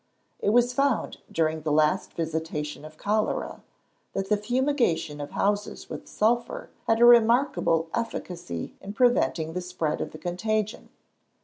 It was found, during the last visitation of cholera, that the fumigation of houses with sulphur had a remarkable efficacy in preventing the spread of the contagion.